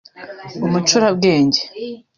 umucurabwenge